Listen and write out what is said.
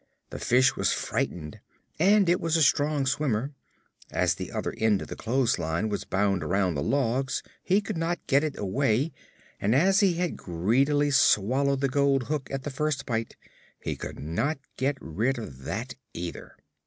The fish was frightened, and it was a strong swimmer. As the other end of the clothesline was bound around the logs he could not get it away, and as he had greedily swallowed the gold hook at the first bite he could not get rid of that, either.